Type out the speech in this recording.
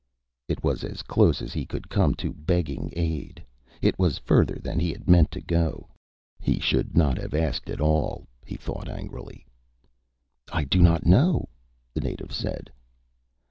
It was as close as he could come to begging aid. It was further than he had meant to go. He should not have asked at all, he thought angrily. "I do not know," the native said.